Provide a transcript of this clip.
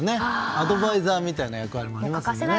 アドバイザーみたいな役割もありますから。